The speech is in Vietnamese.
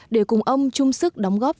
để cùng ông chung sức đóng góp